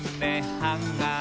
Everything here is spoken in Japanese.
ハンガー